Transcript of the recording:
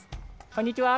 こんにちは。